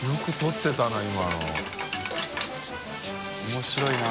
面白いな。